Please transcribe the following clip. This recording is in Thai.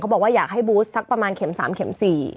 เขาบอกว่าอยากให้บูสซักเข็ม๓เข็ม๔